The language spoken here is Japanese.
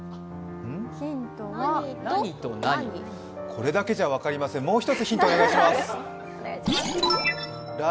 これだけじゃ分かりません、もう一つお願いします。